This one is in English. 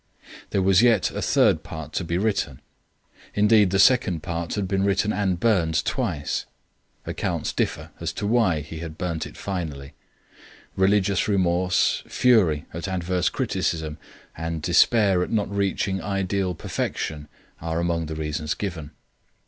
There was yet a third part to be written. Indeed, the second part had been written and burned twice. Accounts differ as to why he had burned it finally. Religious remorse, fury at adverse criticism, and despair at not reaching ideal perfection are among the reasons given.